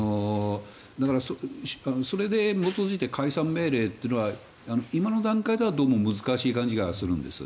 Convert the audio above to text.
だから、それに基づいて解散命令というのは今の段階ではどうも難しい感じがするんです。